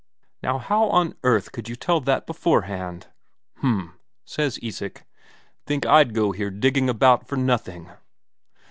Now how on earth could you tell that beforehand?" "H'm," says Isak. "Think I'd go here digging about for nothing?"